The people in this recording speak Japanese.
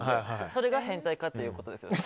それが変態化ということですね。